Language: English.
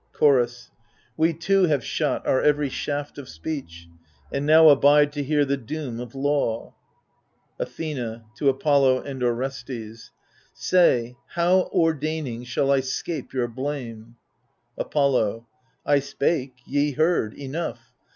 Chorus We too have shot our every shaft of speech, And now abide to hear the doom of law. Athena {to Apollo and Orestes) Say, how ordaining shall I 'scape your blame ? Apollo 1 spake, ye heard ; enough.